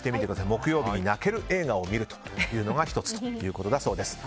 木曜日に泣ける映画を見るというのが１つということです。